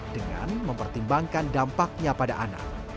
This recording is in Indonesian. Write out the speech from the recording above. dengan mempertimbangkan dampaknya pada anak